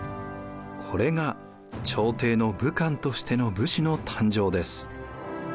これが朝廷の武官としての武士の誕生です。